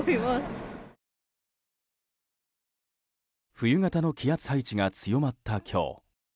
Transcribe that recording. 冬型の気圧配置が強まった今日。